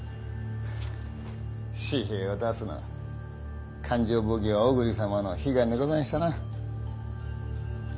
紙幣を出すのは勘定奉行小栗様の悲願でござんしたなぁ。